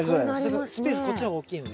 スペースこっちの方が大きいので。